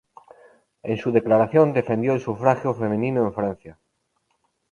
En su declaración, defendió el sufragio femenino en Francia.